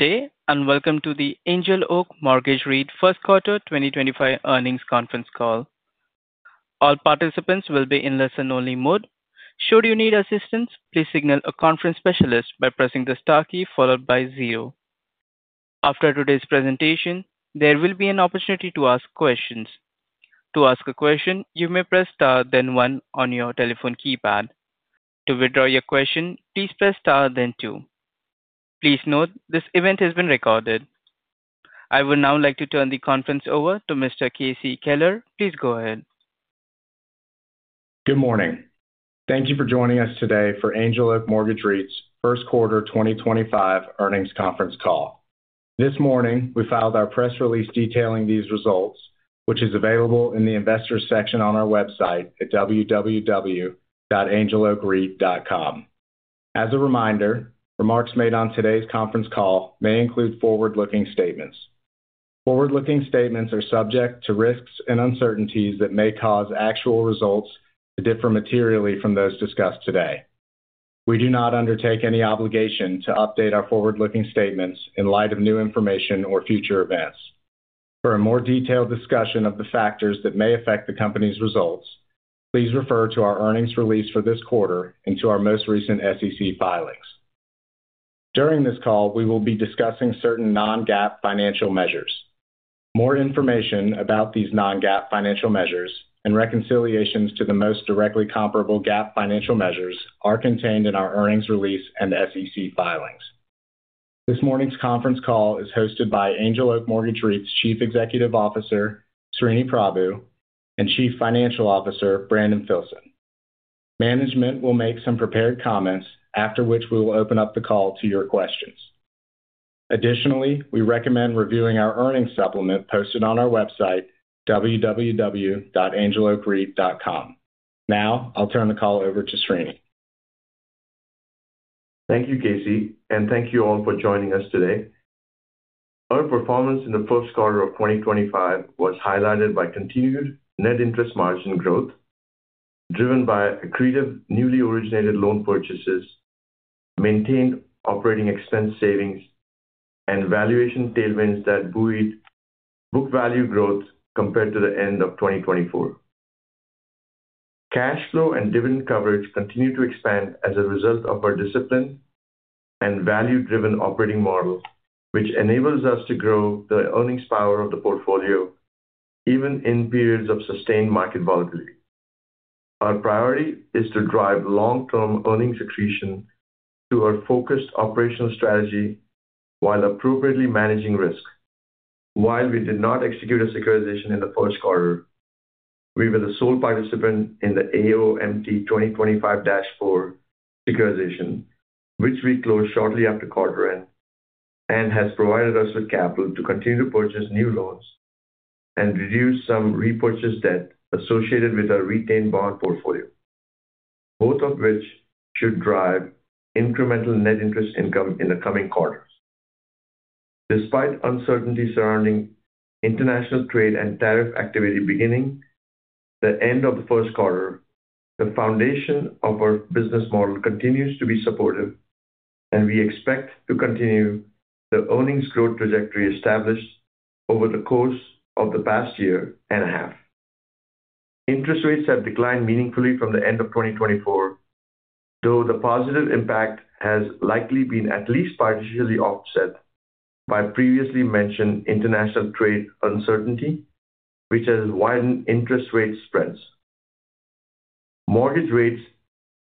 Good day and welcome to the Angel Oak Mortgage REIT First Quarter 2025 earnings conference call. All participants will be in listen-only mode. Should you need assistance, please signal a conference specialist by pressing the star key followed by zero. After today's presentation, there will be an opportunity to ask questions. To ask a question, you may press star then one on your telephone keypad. To withdraw your question, please press star then two. Please note this event has been recorded. I would now like to turn the conference over to Mr. K.C. Kelleher. Please go ahead. Good morning. Thank you for joining us today for Angel Oak Mortgage REIT's first quarter 2025 earnings conference call. This morning, we filed our press release detailing these results, which is available in the investors' section on our website at www.angeloak.com. As a reminder, remarks made on today's conference call may include forward-looking statements. Forward-looking statements are subject to risks and uncertainties that may cause actual results to differ materially from those discussed today. We do not undertake any obligation to update our forward-looking statements in light of new information or future events. For a more detailed discussion of the factors that may affect the company's results, please refer to our earnings release for this quarter and to our most recent SEC filings. During this call, we will be discussing certain non-GAAP financial measures. More information about these non-GAAP financial measures and reconciliations to the most directly comparable GAAP financial measures are contained in our earnings release and SEC filings. This morning's conference call is hosted by Angel Oak Mortgage REIT's Chief Executive Officer, Sreeni Prabhu, and Chief Financial Officer, Brandon Filson. Management will make some prepared comments, after which we will open up the call to your questions. Additionally, we recommend reviewing our earnings supplement posted on our website, www.angeloakreit.com. Now, I'll turn the call over to Sreeni. Thank you, K.C., and thank you all for joining us today. Our performance in the first quarter of 2025 was highlighted by continued net interest margin growth driven by accretive newly originated loan purchases, maintained operating expense savings, and valuation tailwinds that buoyed book value growth compared to the end of 2024. Cash flow and dividend coverage continue to expand as a result of our disciplined and value-driven operating model, which enables us to grow the earnings power of the portfolio even in periods of sustained market volatility. Our priority is to drive long-term earnings accretion through our focused operational strategy while appropriately managing risk. While we did not execute a securitization in the first quarter, we were the sole participant in the AOMT 2025-4 securitization, which we closed shortly after quarter-end, and has provided us with capital to continue to purchase new loans and reduce some repurchase debt associated with our retained bond portfolio, both of which should drive incremental net interest income in the coming quarters. Despite uncertainty surrounding international trade and tariff activity beginning at the end of the first quarter, the foundation of our business model continues to be supportive, and we expect to continue the earnings growth trajectory established over the course of the past year and a half. Interest rates have declined meaningfully from the end of 2024, though the positive impact has likely been at least partially offset by previously mentioned international trade uncertainty, which has widened interest rate spreads. Mortgage rates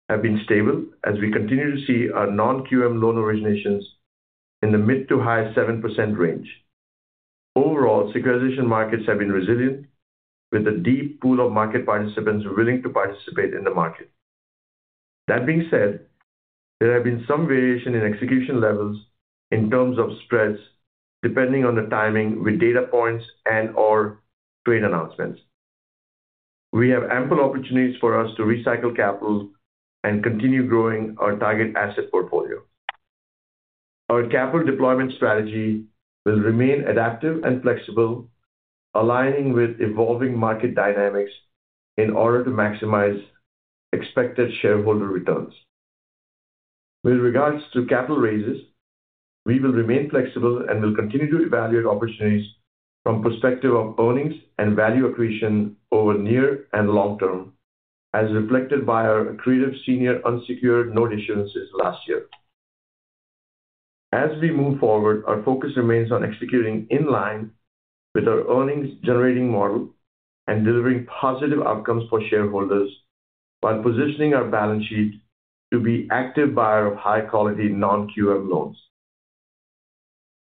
have been stable as we continue to see our non-QM loan originations in the mid to high 7% range. Overall, securitization markets have been resilient, with a deep pool of market participants willing to participate in the market. That being said, there have been some variation in execution levels in terms of spreads depending on the timing with data points and/or trade announcements. We have ample opportunities for us to recycle capital and continue growing our target asset portfolio. Our capital deployment strategy will remain adaptive and flexible, aligning with evolving market dynamics in order to maximize expected shareholder returns. With regards to capital raises, we will remain flexible and will continue to evaluate opportunities from the perspective of earnings and value accretion over near and long term, as reflected by our accretive senior unsecured note issuances last year. As we move forward, our focus remains on executing in line with our earnings-generating model and delivering positive outcomes for shareholders while positioning our balance sheet to be an active buyer of high-quality non-QM loans.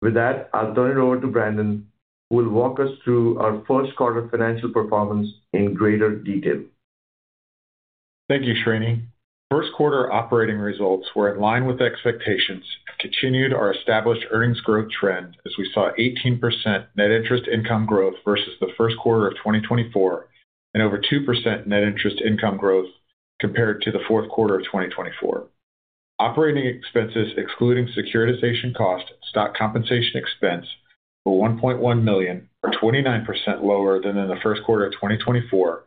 With that, I'll turn it over to Brandon, who will walk us through our first quarter financial performance in greater detail. Thank you, Sreeni. First quarter operating results were in line with expectations and continued our established earnings growth trend as we saw 18% net interest income growth versus the first quarter of 2024 and over 2% net interest income growth compared to the fourth quarter of 2024. Operating expenses, excluding securitization cost and stock compensation expense, were $1.1 million, or 29% lower than in the first quarter of 2024,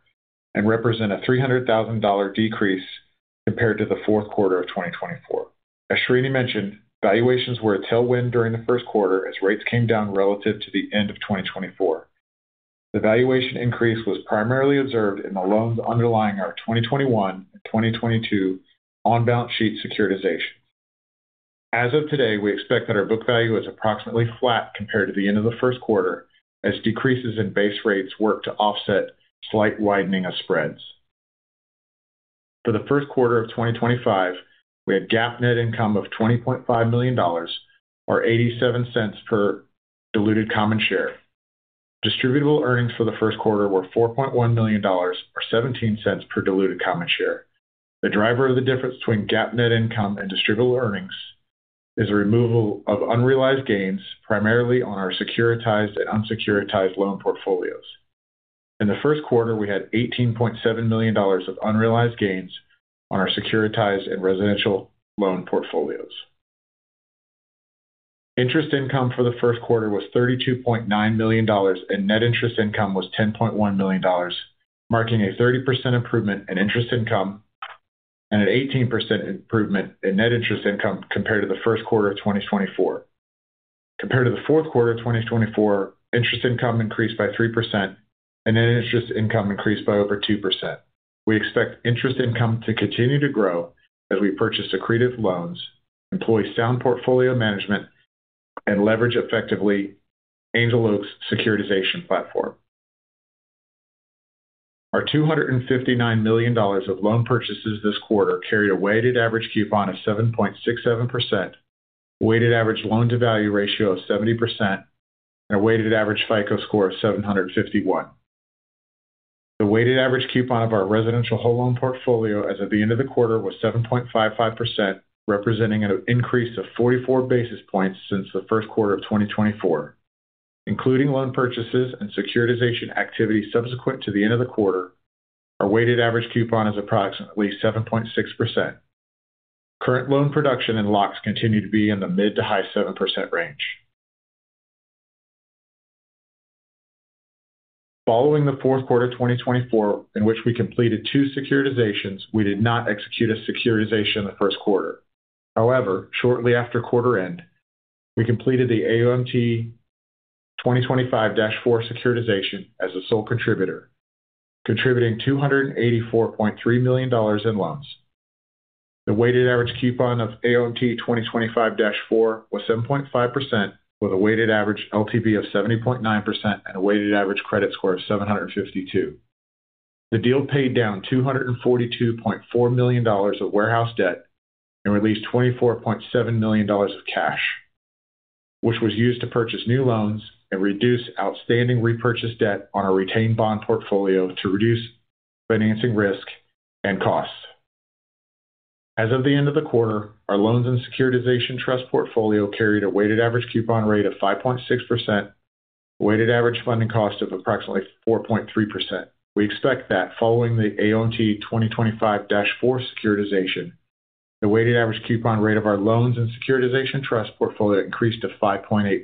and represent a $300,000 decrease compared to the fourth quarter of 2024. As Sreeni mentioned, valuations were a tailwind during the first quarter as rates came down relative to the end of 2024. The valuation increase was primarily observed in the loans underlying our 2021 and 2022 on-balance sheet securitizations. As of today, we expect that our book value is approximately flat compared to the end of the first quarter as decreases in base rates work to offset slight widening of spreads. For the first quarter of 2025, we had GAAP net income of $20.5 million, or $0.87 per diluted common share. Distributable earnings for the first quarter were $4.1 million, or $0.17 per diluted common share. The driver of the difference between GAAP net income and distributable earnings is the removal of unrealized gains, primarily on our securitized and unsecuritized loan portfolios. In the first quarter, we had $18.7 million of unrealized gains on our securitized and residential loan portfolios. Interest income for the first quarter was $32.9 million, and net interest income was $10.1 million, marking a 30% improvement in interest income and an 18% improvement in net interest income compared to the first quarter of 2024. Compared to the fourth quarter of 2024, interest income increased by 3%, and net interest income increased by over 2%. We expect interest income to continue to grow as we purchase accretive loans, employ sound portfolio management, and leverage effectively Angel Oak's securitization platform. Our $259 million of loan purchases this quarter carried a weighted average coupon of 7.67%, a weighted average loan-to-value ratio of 70%, and a weighted average FICO score of 751. The weighted average coupon of our residential whole loan portfolio as of the end of the quarter was 7.55%, representing an increase of 44 basis points since the first quarter of 2024. Including loan purchases and securitization activity subsequent to the end of the quarter, our weighted average coupon is approximately 7.6%. Current loan production and locks continue to be in the mid to high 7% range. Following the fourth quarter of 2024, in which we completed two securitizations, we did not execute a securitization in the first quarter. However, shortly after quarter-end, we completed the AOMT 2025-4 securitization as the sole contributor, contributing $284.3 million in loans. The weighted average coupon of AOMT 2025-4 was 7.5%, with a weighted average LTV of 70.9% and a weighted average credit score of 752. The deal paid down $242.4 million of warehouse debt and released $24.7 million of cash, which was used to purchase new loans and reduce outstanding repurchase debt on our retained bond portfolio to reduce financing risk and costs. As of the end of the quarter, our loans and securitization trust portfolio carried a weighted average coupon rate of 5.6%, a weighted average funding cost of approximately 4.3%. We expect that following the AOMT 2025-4 securitization, the weighted average coupon rate of our loans and securitization trust portfolio increased to 5.8%.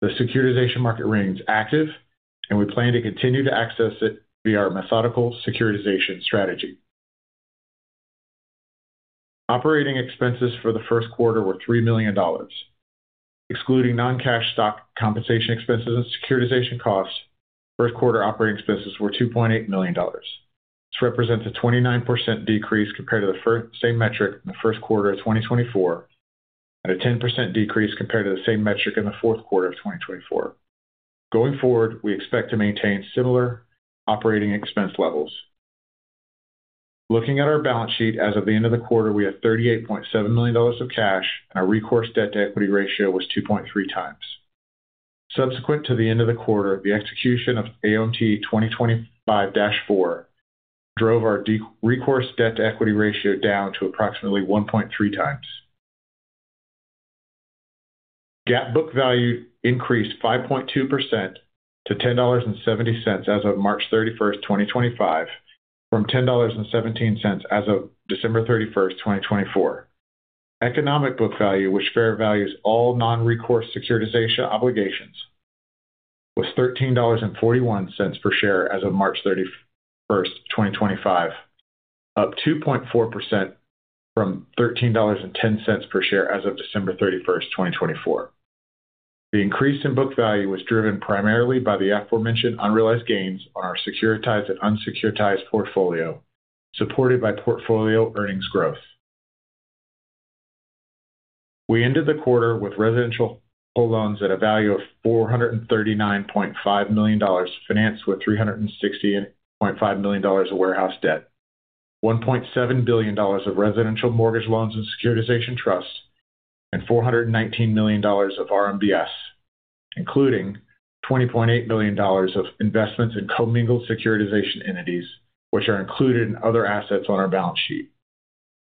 The securitization market remains active, and we plan to continue to access it via our methodical securitization strategy. Operating expenses for the first quarter were $3 million. Excluding non-cash stock compensation expenses and securitization costs, first quarter operating expenses were $2.8 million. This represents a 29% decrease compared to the same metric in the first quarter of 2024 and a 10% decrease compared to the same metric in the fourth quarter of 2024. Going forward, we expect to maintain similar operating expense levels. Looking at our balance sheet as of the end of the quarter, we have $38.7 million of cash, and our recourse debt-to-equity ratio was 2.3 times. Subsequent to the end of the quarter, the execution of AOMT 2025-4 drove our recourse debt-to-equity ratio down to approximately 1.3 times. GAAP book value increased 5.2% to $10.70 as of March 31st, 2025, from $10.17 as of December 31st, 2024. Economic book value, which fair values all non-recourse securitization obligations, was $13.41 per share as of March 31, 2025, up 2.4% from $13.10 per share as of December 31st, 2024. The increase in book value was driven primarily by the aforementioned unrealized gains on our securitized and unsecuritized portfolio, supported by portfolio earnings growth. We ended the quarter with residential whole loans at a value of $439.5 million, financed with $368.5 million of warehouse debt, $1.7 billion of residential mortgage loans and securitization trusts, and $419 million of RMBS, including $20.8 million of investments in commingled securitization entities, which are included in other assets on our balance sheet.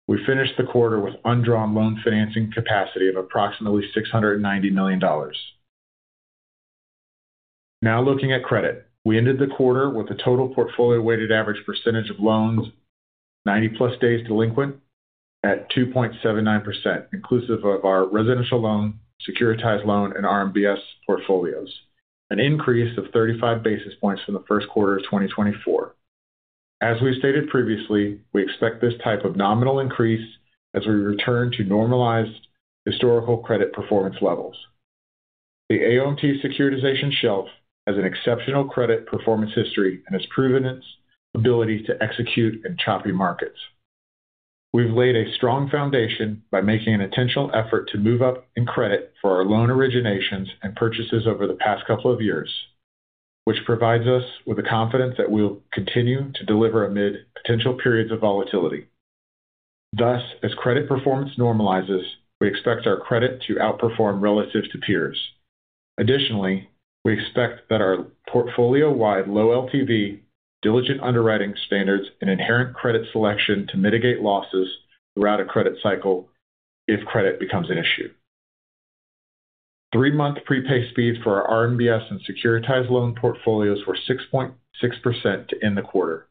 We finished the quarter with undrawn loan financing capacity of approximately $690 million. Now looking at credit, we ended the quarter with a total portfolio weighted average percentage of loans, 90-plus days delinquent, at 2.79%, inclusive of our residential loan, securitized loan, and RMBS portfolios, an increase of 35 basis points from the first quarter of 2024. As we've stated previously, we expect this type of nominal increase as we return to normalized historical credit performance levels. The AOMT securitization shelf has an exceptional credit performance history and has proven its ability to execute in choppy markets. We've laid a strong foundation by making an intentional effort to move up in credit for our loan originations and purchases over the past couple of years, which provides us with the confidence that we'll continue to deliver amid potential periods of volatility. Thus, as credit performance normalizes, we expect our credit to outperform relative to peers. Additionally, we expect that our portfolio-wide low LTV, diligent underwriting standards, and inherent credit selection to mitigate losses throughout a credit cycle if credit becomes an issue. Three-month prepay speeds for our RMBS and securitized loan portfolios were 6.6% to end the quarter,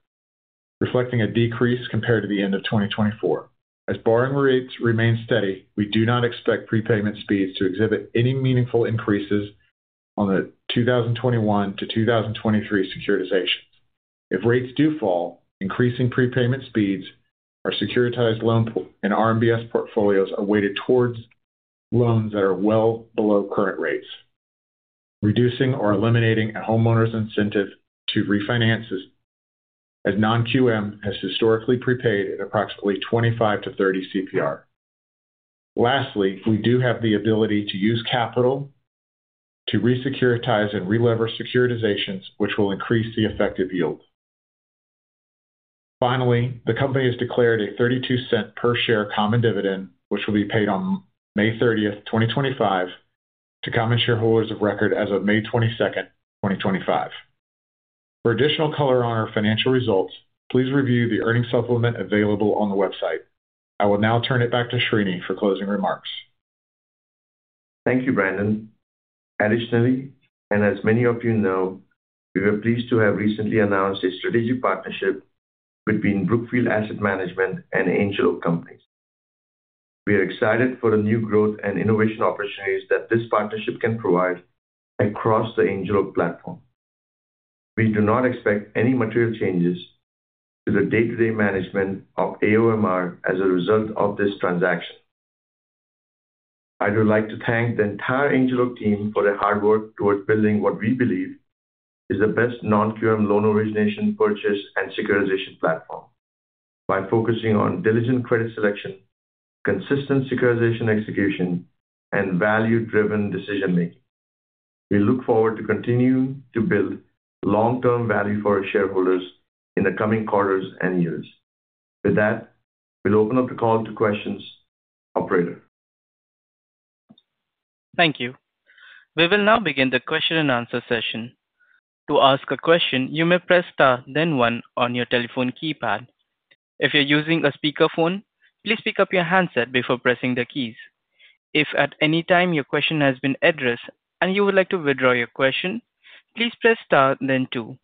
reflecting a decrease compared to the end of 2024. As borrowing rates remain steady, we do not expect prepayment speeds to exhibit any meaningful increases on the 2021-2023 securitizations. If rates do fall, increasing prepayment speeds, our securitized loan and RMBS portfolios are weighted towards loans that are well below current rates, reducing or eliminating a homeowner's incentive to refinance as non-QM has historically prepaid at approximately 25%-30% CPR. Lastly, we do have the ability to use capital to resecuritize and re-lever securitizations, which will increase the effective yield. Finally, the company has declared a $0.32 per share common dividend, which will be paid on May 30th, 2025, to common shareholders of record as of May 22nd, 2025. For additional color on our financial results, please review the earnings supplement available on the website. I will now turn it back to Sreeni for closing remarks. Thank you, Brandon. Additionally, and as many of you know, we were pleased to have recently announced a strategic partnership between Brookfield Asset Management and Angel Oak Companies. We are excited for the new growth and innovation opportunities that this partnership can provide across the Angel Oak platform. We do not expect any material changes to the day-to-day management of AOMR as a result of this transaction. I would like to thank the entire Angel Oak team for their hard work towards building what we believe is the best non-QM loan origination, purchase, and securitization platform by focusing on diligent credit selection, consistent securitization execution, and value-driven decision-making. We look forward to continuing to build long-term value for our shareholders in the coming quarters and years. With that, we'll open up the call to questions, operator. Thank you. We will now begin the question and answer session. To ask a question, you may press star, then one on your telephone keypad. If you're using a speakerphone, please pick up your handset before pressing the keys. If at any time your question has been addressed and you would like to withdraw your question, please press star, then two.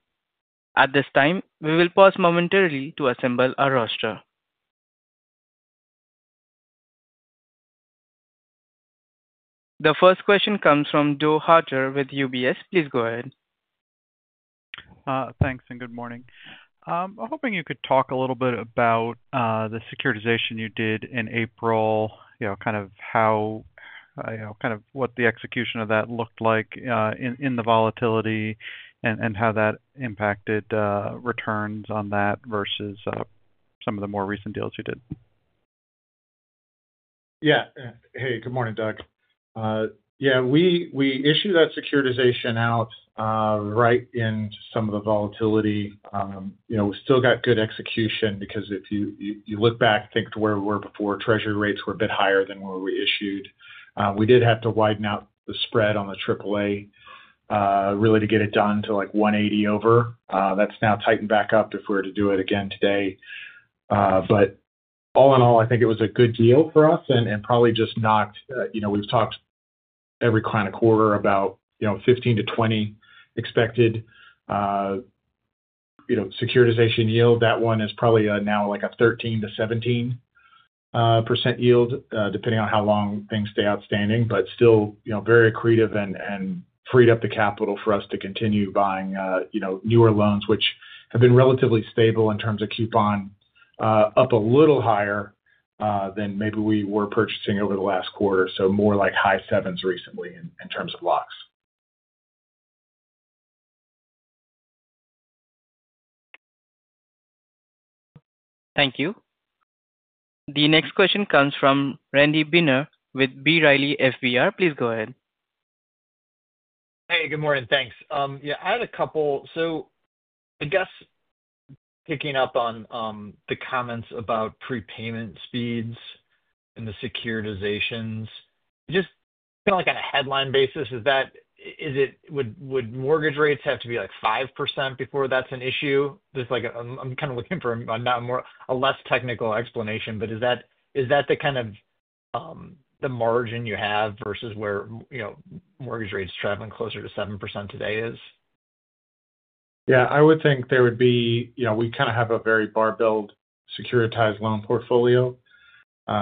At this time, we will pause momentarily to assemble a roster. The first question comes from Doug Harter with UBS. Please go ahead. Thanks and good morning. I'm hoping you could talk a little bit about the securitization you did in April, kind of how, kind of what the execution of that looked like in the volatility and how that impacted returns on that versus some of the more recent deals you did. Yeah. Hey, good morning, Doug. Yeah, we issued that securitization out right in some of the volatility. We still got good execution because if you look back, think to where we were before, treasury rates were a bit higher than where we issued. We did have to widen out the spread on the AAA really to get it down to like 180 over. That's now tightened back up if we were to do it again today. All in all, I think it was a good deal for us and probably just knocked. We've talked every kind of quarter about 15%-20% expected securitization yield. That one is probably now like a 13-17% yield, depending on how long things stay outstanding, but still very accretive and freed up the capital for us to continue buying newer loans, which have been relatively stable in terms of coupon, up a little higher than maybe we were purchasing over the last quarter. More like high sevens recently in terms of locks. Thank you. The next question comes from Randy Binner with B. Riley FBR. Please go ahead. Hey, good morning. Thanks. Yeah, I had a couple. I guess picking up on the comments about prepayment speeds and the securitizations, just kind of like on a headline basis, is that would mortgage rates have to be like 5% before that's an issue? I'm kind of looking for a less technical explanation, but is that the kind of the margin you have versus where mortgage rates traveling closer to 7% today is? Yeah, I would think there would be. We kind of have a very bar-belled securitized loan portfolio.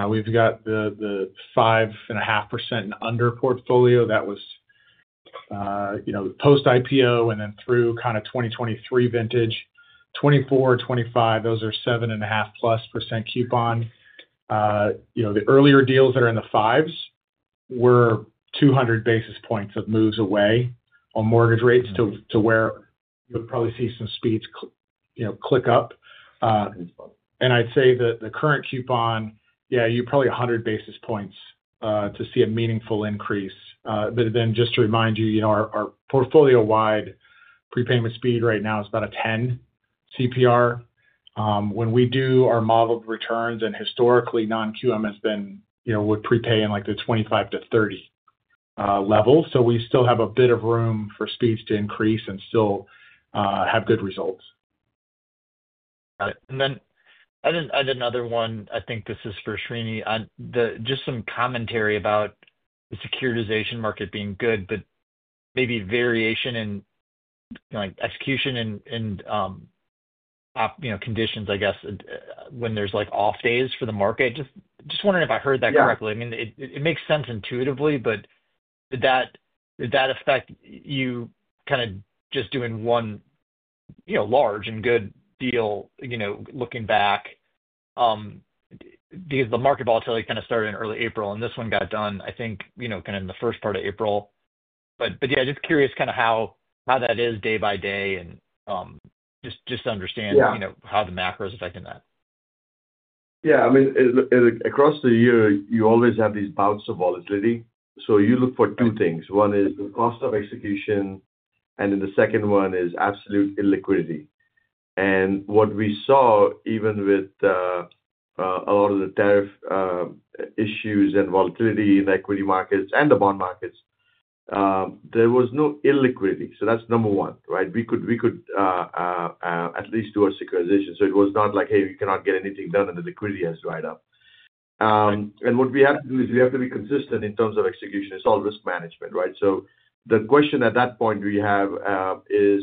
We've got the 5.5% and under portfolio that was post-IPO and then through kind of 2023 vintage. Twenty-four, twenty-five, those are 7.5% plus coupon. The earlier deals that are in the fives were 200 basis points of moves away on mortgage rates to where you would probably see some speeds click up. I would say that the current coupon, yeah, you probably need 100 basis points to see a meaningful increase. Just to remind you, our portfolio-wide prepayment speed right now is about a 10 CPR. When we do our modeled returns and historically non-QM has been, would prepay in like the 25-30 level. We still have a bit of room for speeds to increase and still have good results. Got it. I had another one. I think this is for Sreeni. Just some commentary about the securitization market being good, but maybe variation in execution and conditions, I guess, when there are off days for the market. Just wondering if I heard that correctly. I mean, it makes sense intuitively, but did that affect you kind of just doing one large and good deal looking back? Because the market volatility kind of started in early April and this one got done, I think, kind of in the first part of April. Yeah, just curious kind of how that is day by day and just to understand how the macro is affecting that. Yeah. I mean, across the year, you always have these bouts of volatility. You look for two things. One is the cost of execution, and then the second one is absolute illiquidity. What we saw, even with a lot of the tariff issues and volatility in equity markets and the bond markets, there was no illiquidity. That is number one, right? We could at least do a securitization. It was not like, "Hey, we cannot get anything done and the liquidity has dried up." What we have to do is we have to be consistent in terms of execution. It is all risk management, right? The question at that point we have is,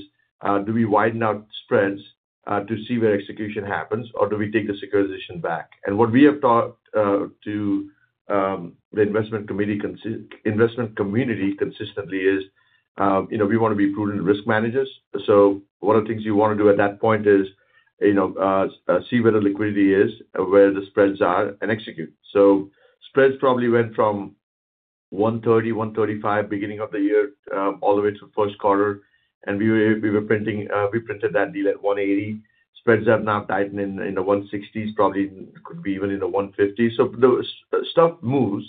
do we widen out spreads to see where execution happens, or do we take the securitization back? What we have taught to the investment community consistently is we want to be prudent risk managers. One of the things you want to do at that point is see where the liquidity is, where the spreads are, and execute. Spreads probably went from 130, 135 beginning of the year all the way to the first quarter. We were printing, we printed that deal at 180. Spreads have now tightened in the 160s, probably could be even in the 150s. Stuff moves.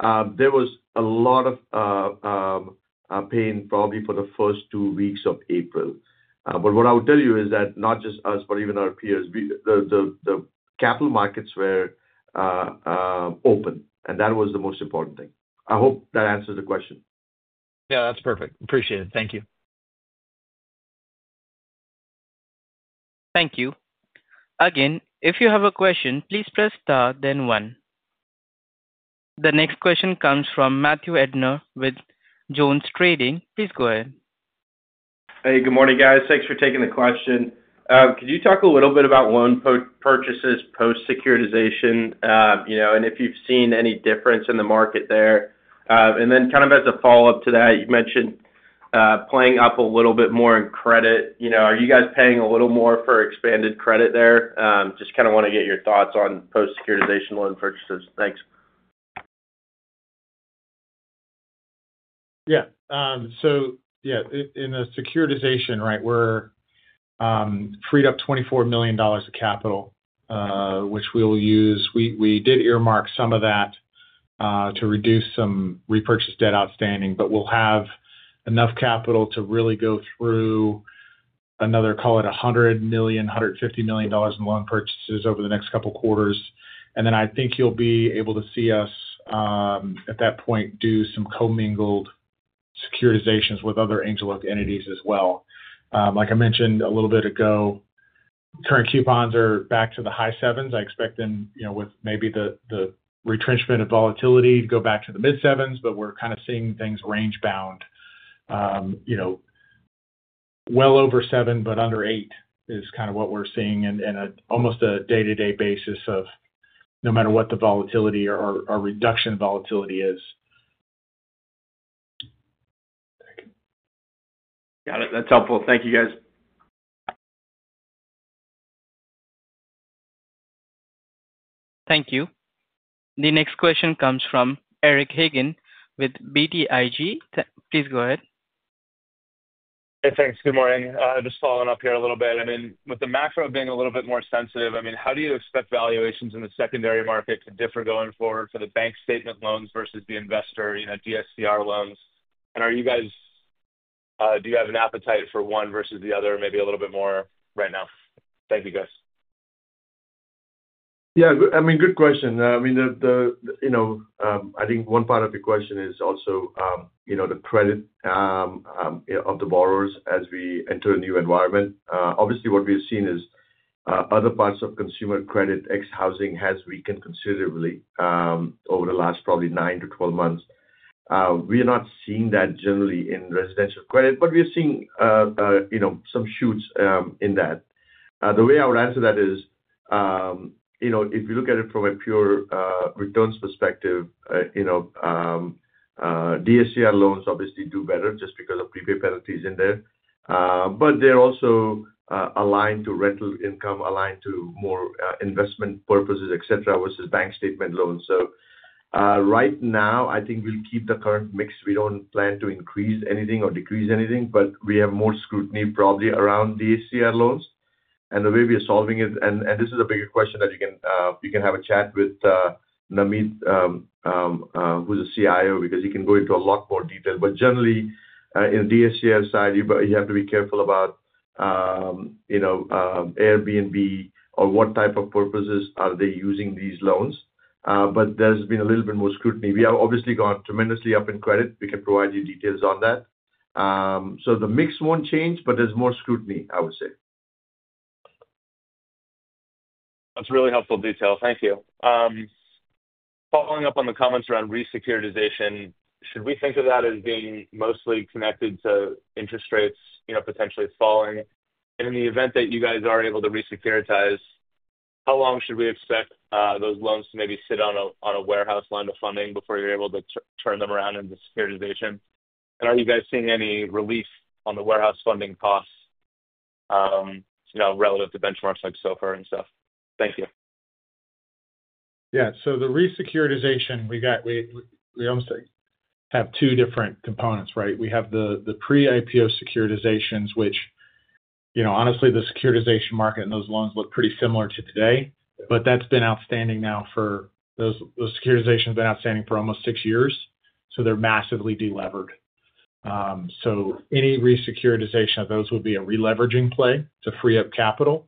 There was a lot of pain probably for the first two weeks of April. What I would tell you is that not just us, but even our peers, the capital markets were open. That was the most important thing. I hope that answers the question. Yeah, that's perfect. Appreciate it. Thank you. Thank you. Again, if you have a question, please press star, then one. The next question comes from Matthew Erdner with Jones Trading. Please go ahead. Hey, good morning, guys. Thanks for taking the question. Could you talk a little bit about loan purchases post-securitization and if you've seen any difference in the market there? Kind of as a follow-up to that, you mentioned playing up a little bit more in credit. Are you guys paying a little more for expanded credit there? Just kind of want to get your thoughts on post-securitization loan purchases. Thanks. Yeah. Yeah, in the securitization, right, we freed up $24 million of capital, which we'll use. We did earmark some of that to reduce some repurchase debt outstanding, but we'll have enough capital to really go through another, call it $100 million-$150 million in loan purchases over the next couple of quarters. I think you'll be able to see us at that point do some commingled securitizations with other Angel Oak entities as well. Like I mentioned a little bit ago, current coupons are back to the high sevens. I expect then with maybe the retrenchment of volatility to go back to the mid-sevens, but we're kind of seeing things range bound well over seven, but under eight is kind of what we're seeing in almost a day-to-day basis of no matter what the volatility or reduction of volatility is. Got it. That's helpful. Thank you, guys. Thank you. The next question comes from Eric Hagen with BTIG. Please go ahead. Hey, thanks. Good morning. Just following up here a little bit. I mean, with the macro being a little bit more sensitive, I mean, how do you expect valuations in the secondary market to differ going forward for the bank statement loans versus the investor DSCR loans? Are you guys, do you have an appetite for one versus the other, maybe a little bit more right now? Thank you, guys. Yeah. I mean, good question. I mean, I think one part of the question is also the credit of the borrowers as we enter a new environment. Obviously, what we have seen is other parts of consumer credit ex-housing has weakened considerably over the last probably 9-12 months. We are not seeing that generally in residential credit, but we are seeing some shoots in that. The way I would answer that is if you look at it from a pure returns perspective, DSCR loans obviously do better just because of prepay penalties in there. They are also aligned to rental income, aligned to more investment purposes, etc., versus bank statement loans. Right now, I think we will keep the current mix. We do not plan to increase anything or decrease anything, but we have more scrutiny probably around DSCR loans and the way we are solving it. This is a bigger question that you can have a chat with Nameet, who's the CIO, because he can go into a lot more detail. Generally, in the DSCR side, you have to be careful about Airbnb or what type of purposes are they using these loans. There has been a little bit more scrutiny. We have obviously gone tremendously up in credit. We can provide you details on that. The mix will not change, but there is more scrutiny, I would say. That's really helpful detail. Thank you. Following up on the comments around resecuritization, should we think of that as being mostly connected to interest rates potentially falling? In the event that you guys are able to resecuritize, how long should we expect those loans to maybe sit on a warehouse line of funding before you're able to turn them around into securitization? Are you guys seeing any relief on the warehouse funding costs relative to benchmarks like SOFR and stuff? Thank you. Yeah. The resecuritization, we almost have two different components, right? We have the pre-IPO securitizations, which honestly, the securitization market and those loans look pretty similar to today, but that's been outstanding now for those securitizations have been outstanding for almost six years. They're massively delevered. Any resecuritization of those would be a releveraging play to free up capital.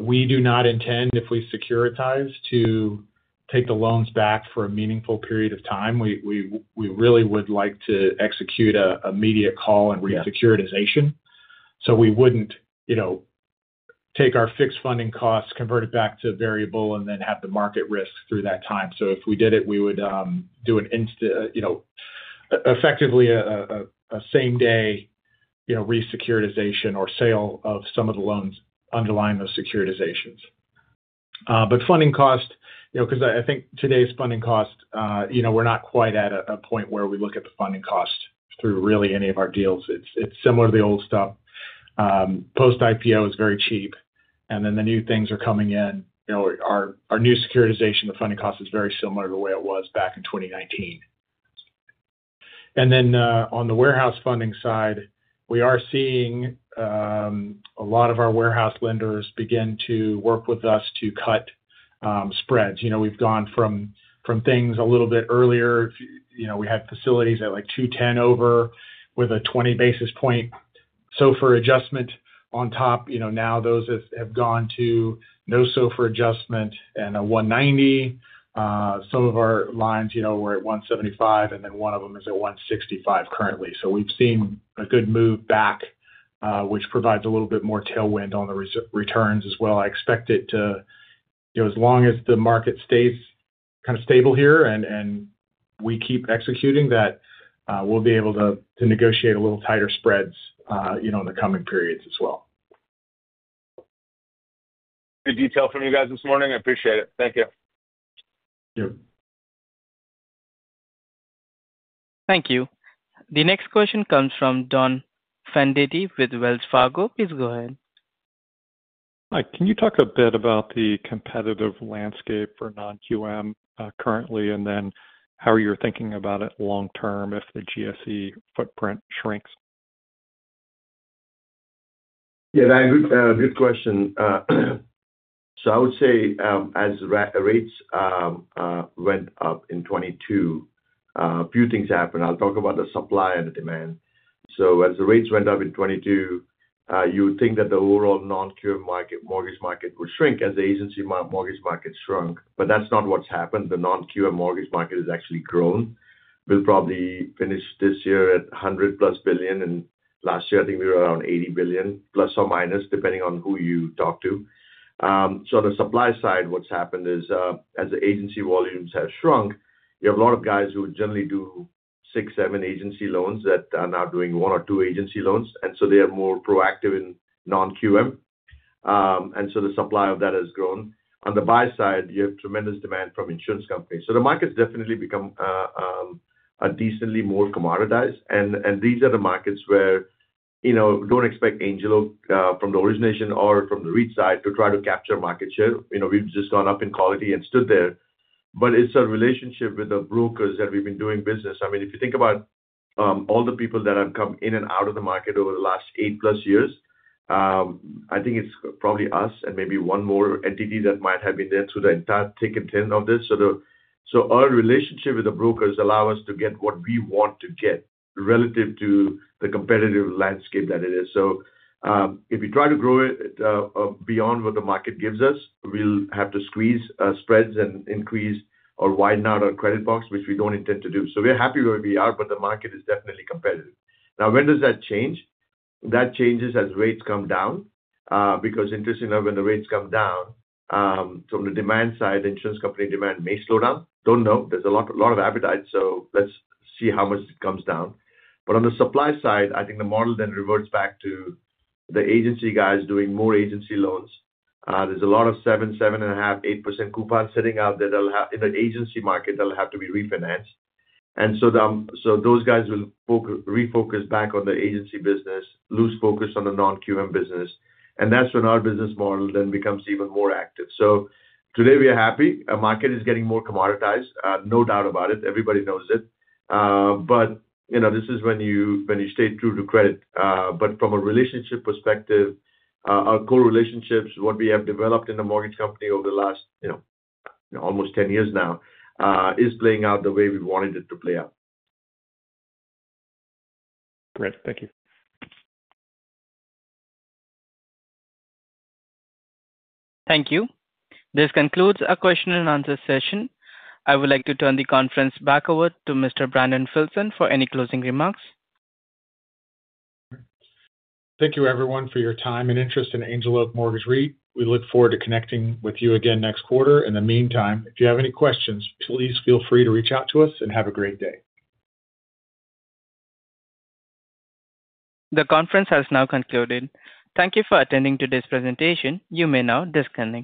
We do not intend, if we securitize, to take the loans back for a meaningful period of time. We really would like to execute an immediate call and resecuritization. We wouldn't take our fixed funding costs, convert it back to variable, and then have the market risk through that time. If we did it, we would do an effectively a same-day resecuritization or sale of some of the loans underlying those securitizations. Funding cost, because I think today's funding cost, we're not quite at a point where we look at the funding cost through really any of our deals. It's similar to the old stuff. Post-IPO is very cheap. The new things are coming in. Our new securitization, the funding cost is very similar to the way it was back in 2019. On the warehouse funding side, we are seeing a lot of our warehouse lenders begin to work with us to cut spreads. We've gone from things a little bit earlier. We had facilities at like 210 basis points over with a 20 basis point SOFR adjustment on top. Now those have gone to no SOFR adjustment and a 190. Some of our lines were at 175, and then one of them is at 165 currently. We have seen a good move back, which provides a little bit more tailwind on the returns as well. I expect it to, as long as the market stays kind of stable here and we keep executing that, we will be able to negotiate a little tighter spreads in the coming periods as well. Good detail from you guys this morning. I appreciate it. Thank you. Thank you. Thank you. The next question comes from Don Fandetti with Wells Fargo. Please go ahead. Hi. Can you talk a bit about the competitive landscape for non-QM currently and then how you're thinking about it long term if the GSE footprint shrinks? Yeah. Good question. I would say as rates went up in 2022, a few things happened. I'll talk about the supply and the demand. As the rates went up in 2022, you would think that the overall non-QM mortgage market would shrink as the agency mortgage market shrunk, but that's not what's happened. The non-QM mortgage market has actually grown. We'll probably finish this year at $100 billion plus. Last year, I think we were around $80 billion, plus or minus, depending on who you talk to. On the supply side, what's happened is as the agency volumes have shrunk, you have a lot of guys who would generally do six or seven agency loans that are now doing one or two agency loans. They are more proactive in non-QM. The supply of that has grown. On the buy side, you have tremendous demand from insurance companies. The market's definitely become decently more commoditized. These are the markets where don't expect Angel Oak from the origination or from the REIT side to try to capture market share. We've just gone up in quality and stood there. It's a relationship with the brokers that we've been doing business. I mean, if you think about all the people that have come in and out of the market over the last eight plus years, I think it's probably us and maybe one more entity that might have been there through the entire ticket end of this. Our relationship with the brokers allows us to get what we want to get relative to the competitive landscape that it is. If we try to grow it beyond what the market gives us, we'll have to squeeze spreads and increase or widen out our credit box, which we don't intend to do. We're happy where we are, but the market is definitely competitive. Now, when does that change? That changes as rates come down. Interestingly, when the rates come down, from the demand side, insurance company demand may slow down. Don't know. There's a lot of appetite. Let's see how much it comes down. On the supply side, I think the model then reverts back to the agency guys doing more agency loans. There's a lot of 7%, 7.5%, 8% coupons sitting out there in the agency market that'll have to be refinanced. Those guys will refocus back on the agency business, lose focus on the non-QM business. That is when our business model then becomes even more active. Today we are happy. Our market is getting more commoditized. No doubt about it. Everybody knows it. This is when you stay true to credit. From a relationship perspective, our core relationships, what we have developed in the mortgage company over the last almost 10 years now, is playing out the way we wanted it to play out. Great. Thank you. Thank you. This concludes our question and answer session. I would like to turn the conference back over to Mr. Brandon Filson for any closing remarks. Thank you, everyone, for your time and interest in Angel Oak Mortgage REIT. We look forward to connecting with you again next quarter. In the meantime, if you have any questions, please feel free to reach out to us and have a great day. The conference has now concluded. Thank you for attending today's presentation. You may now disconnect.